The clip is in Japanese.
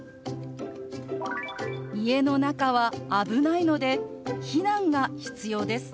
「家の中は危ないので避難が必要です」。